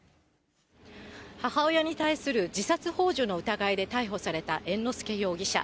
母親に対する自殺ほう助の疑いで逮捕された猿之助容疑者。